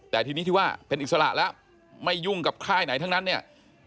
แต่ทีนี้ที่ว่าเป็นอิสระแล้วไม่ยุ่งกับค่ายไหนทั้งนั้นเนี่ย